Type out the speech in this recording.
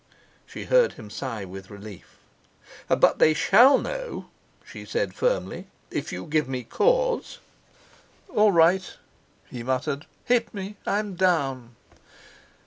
She heard him sigh with relief. "But they shall know," she said firmly, "if you give me cause." "All right!" he muttered, "hit me! I'm down!"